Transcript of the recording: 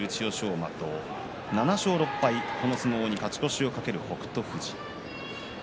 馬と７勝６敗、この相撲に勝ち越しを懸ける北勝富士。